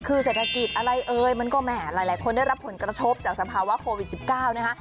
คือเศรษฐกิจอะไรเอ่ยมันก็แหมหลายคนได้รับผลกระทบจากสภาวะโควิด๑๙นะคะ